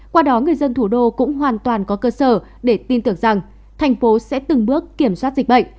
qua đó người dân thủ đô cũng hoàn toàn có cơ sở để tin tưởng rằng thành phố sẽ từng bước kiểm soát dịch bệnh